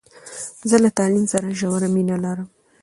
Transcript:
زه له تعلیم سره ژوره مینه لرم.